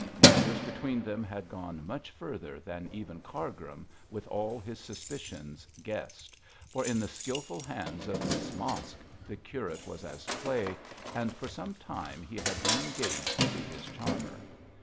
Matters between them had gone much further than even Cargrim with all his suspicions guessed, for in the skilful hands of Miss Mosk the curate was as clay, and for some time he had been engaged to his charmer.